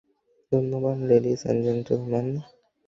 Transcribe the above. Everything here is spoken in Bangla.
ধন্যবাদ, লেডিস এ্যান্ড জেন্টেল ম্যান।